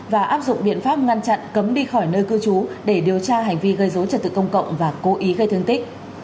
và áp dụng biện pháp ngăn chặn cấm đi khỏi nơi cư trú để điều tra hành vi gây dối trật tự công cộng và cố ý gây thương tích